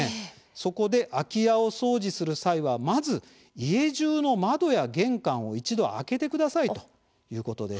そこで、空き家を掃除する際はまず、家じゅうの窓や玄関を一度開けてくださいということです。